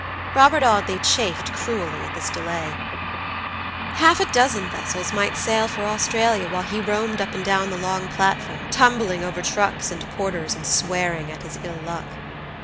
Robert Audley chafed cruelly at this delay. Half a dozen vessels might sail for Australia while he roamed up and down the long platform, tumbling over trucks and porters, and swearing at his ill luck.